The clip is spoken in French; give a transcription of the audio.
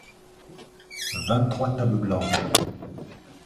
vingt trois tables blanches.